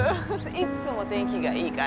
いつも天気がいいから。